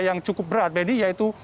yang cukup berat benny yaitu